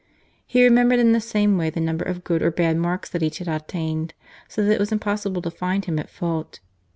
He remembered in the same way the number of good or bad marks which each had obtained, so that it was impossible to find him at fault.